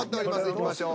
いきましょう。